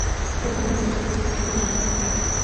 U hamma ko`rishi uchun stakanni balandroq ko`tardi